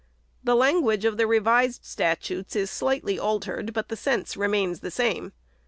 The language of the Revised Statutes is slightly altered, but the sense remains the same.